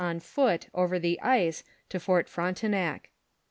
149 /' on foot over the ice to Fort Frontenac.